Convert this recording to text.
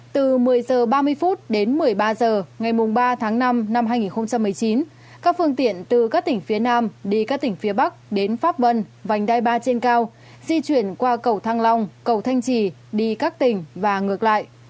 từ một mươi h ba mươi đến một mươi ba h ngày ba tháng năm năm hai nghìn một mươi chín các phương tiện từ các tỉnh phía nam đi các tỉnh phía bắc đến pháp vân vành đai ba trên cao di chuyển qua cầu thăng long cầu thanh trì đi các tỉnh và ngược lại